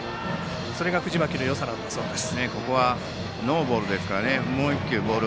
それが藤巻のよさなんだそうです。